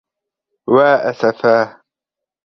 وَا أَسَفَاهْ.